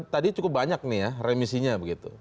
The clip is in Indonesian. tadi cukup banyak nih ya remisinya begitu